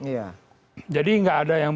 iya jadi nggak ada yang